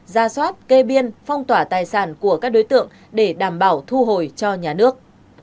ra soát kê biên phong tỏa tài sản của các đối tượng để đảm bảo thu hồi cho nhà nước